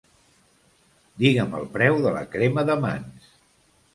Digue'm el preu de la crema de mans.